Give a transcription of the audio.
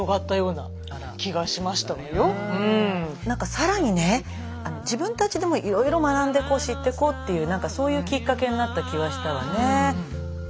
なんか更にね自分たちでもいろいろ学んで知っていこうっていうそういうきっかけになった気はしたわね。